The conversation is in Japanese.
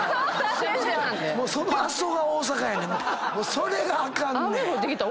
それがあかんねん。